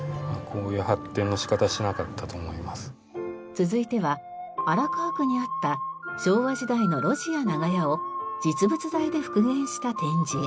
続いては荒川区にあった昭和時代の路地や長屋を実物大で復元した展示へ。